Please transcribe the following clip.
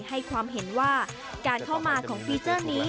ให้ความเห็นว่าการเข้ามาของฟีเจอร์นี้